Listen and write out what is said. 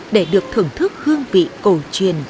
để được thưởng thức hương vị cổ truyền